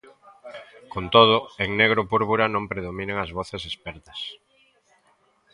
Con todo, en Negro Púrpura non predominan as voces expertas.